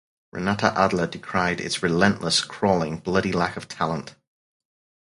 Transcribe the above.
Renata Adler decried "its relentless, crawling, bloody lack of talent".